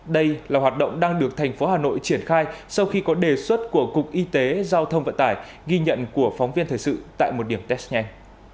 đây là hoạt động đang được thành phố hà nội triển khai sau khi có đề xuất của cục y tế giao thông vận tải ghi nhận của phóng viên thời sự tại một điểm test nhanh